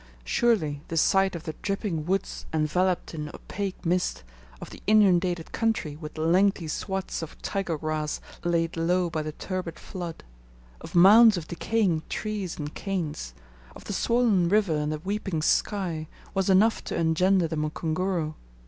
Surely the sight of the dripping woods enveloped in opaque mist, of the inundated country with lengthy swathes of tiger grass laid low by the turbid flood, of mounds of decaying trees and canes, of the swollen river and the weeping sky, was enough to engender the mukunguru!